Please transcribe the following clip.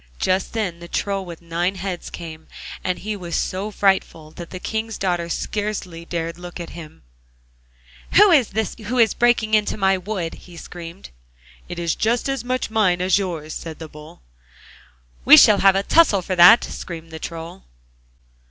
Just then the Troll with nine heads came, and he was so frightful that the King's daughter scarcely dared to look at him 'Who is this who is breaking my wood?' he screamed. 'It is as much mine as yours!' said the Bull. 'We shall have a tussle for that!' screamed the Troll.